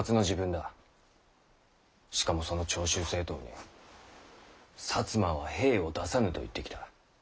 しかもその長州征討に摩は兵を出さぬと言ってきた。